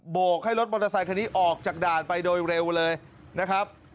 กให้รถมอเตอร์ไซคันนี้ออกจากด่านไปโดยเร็วเลยนะครับ